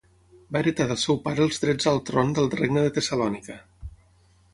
Va heretar del seu pare els drets al tron del Regne de Tessalònica.